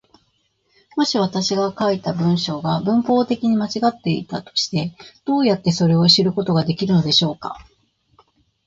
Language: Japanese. もし私が書いた文章が文法的に間違っていたとして、どうやってそれを知ることができるのでしょうか。